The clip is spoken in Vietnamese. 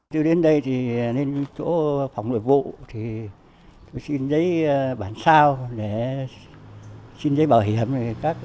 từ đến đây đến chỗ phòng nội vụ tôi xin giấy bản sao xin giấy bảo hiểm các cán bộ làm tôi nhanh lắm